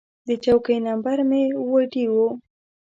د چوکۍ نمبر مې اووه ډي و.